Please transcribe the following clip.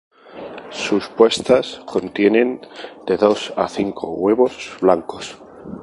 Sus puestas contienen de dos a cinco huevos blancos.